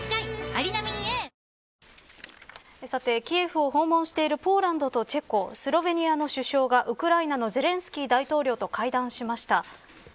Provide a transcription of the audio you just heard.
キエフを訪問しているポーランドとチェコ、スロベニアの首相がウクライナのゼレンスキー大統領と会談しました。